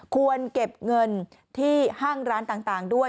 ควรเก็บเงินที่ห้างร้านต่างด้วย